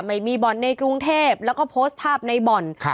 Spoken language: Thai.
ทำไมมีบอลในกรุงเทพฯแล้วก็โพสต์ภาพในบอล